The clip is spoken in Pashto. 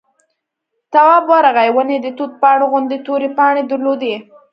تواب ورغی ونې د توت پاڼو غوندې تورې پاڼې درلودې.